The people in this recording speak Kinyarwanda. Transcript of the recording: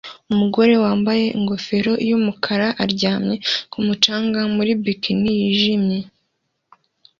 Umugore wambaye ingofero yumukara aryamye ku mucanga muri bikini yijimye